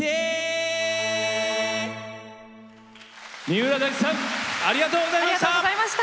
三浦大知さんありがとうございました。